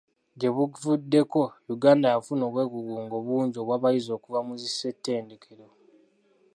Gye buvuddeko, Uganda yafuna obwegugungo bungi obw'abayizi okuva mu zi ssetendekero.